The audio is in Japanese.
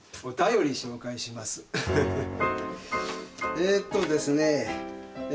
えっとですねえ